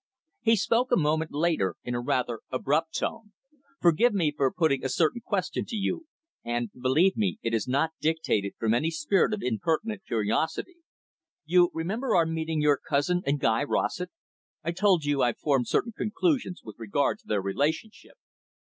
He spoke a moment after, in a rather abrupt tone. "Forgive me for putting a certain question to you, and, believe me, it is not dictated from any spirit of impertinent curiosity. You remember our meeting your cousin and Guy Rossett? I told you I formed certain conclusions with regard to their relationship.